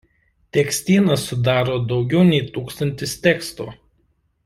Tekstyną sudaro daugiau nei tūkstantis tekstų.